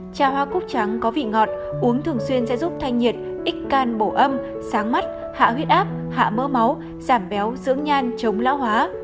trà hoa cúc trắng có vị ngọt uống thường xuyên sẽ giúp thanh nhiệt ít can bổ âm sáng mắt hạ huyết áp hạ mỡ máu giảm béo dưỡng nhan chống lão hóa